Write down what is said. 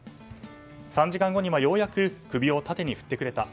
３時間後にはようやく首を縦に振ってくれた。